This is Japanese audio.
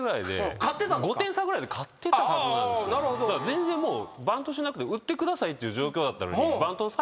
全然もうバントしなくて打ってくださいっていう状況だったのに。